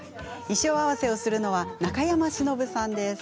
衣装合わせをするのは中山忍さんです。